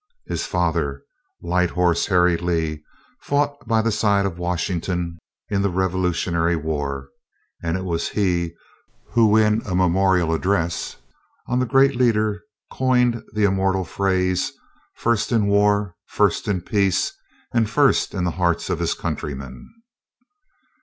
His father, Light Horse Harry Lee, fought by the side of Washington in the Revolutionary War; and it was he who in a memorial address on the great leader coined the immortal phrase: "First in war, first in peace, and first in the hearts of his countrymen."